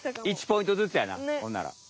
１ポイントずつやなほんなら。